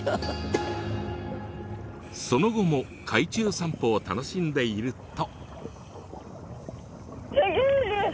その後も海中散歩を楽しんでいると。